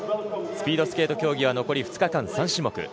スピードスケート競技は残り２日間、３種目。